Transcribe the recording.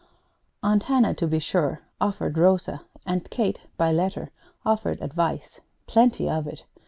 Aunt Hannah, to be sure, offered Rosa, and Kate, by letter, offered advice plenty of it.